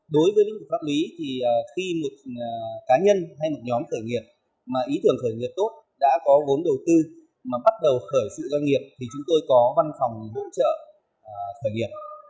đối với lĩnh vực pháp lý thì khi một cá nhân hay một nhóm khởi nghiệp mà ý tưởng khởi nghiệp tốt đã có vốn đầu tư mà bắt đầu khởi sự doanh nghiệp thì chúng tôi có văn phòng hỗ trợ khởi nghiệp